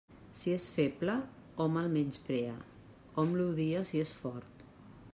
Si és feble, hom el menysprea; hom l'odia si és fort.